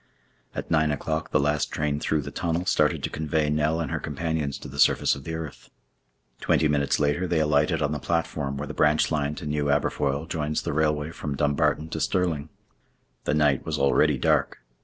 At nine o'clock the last train through the tunnel started to convey Nell and her companions to the surface of the earth. Twenty minutes later they alighted on the platform where the branch line to New Aberfoyle joins the railway from Dumbarton to Stirling. The night was already dark.